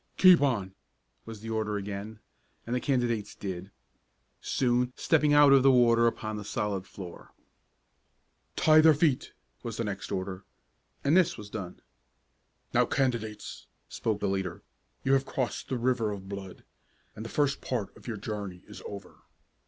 "Keep on!" was the order again, and the candidates did, soon stepping out of the water upon the solid floor. "Tie their feet," was the next order, and this was done. "Now, candidates," spoke the leader, "you have crossed the river of blood and the first part of your journey is over.